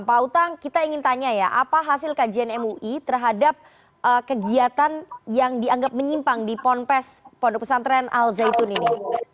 pak utang kita ingin tanya ya apa hasil kajian mui terhadap kegiatan yang dianggap menyimpang di ponpes pondok pesantren al zaitun ini